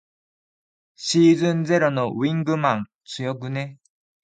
シーズンゼロのウィングマン強くね。